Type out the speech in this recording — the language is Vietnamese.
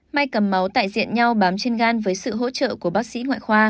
may cầm máu tại diện nhau bám trên gan với sự hỗ trợ của bác sĩ ngoại khoa